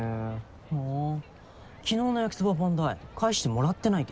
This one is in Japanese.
ほう昨日の焼きそばパン代返してもらってないけど。